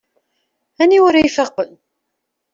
Aniwa ara ifaqen?